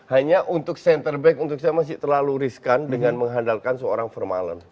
hanya untuk center back untuk saya masih terlalu riskan dengan mengandalkan seorang formallen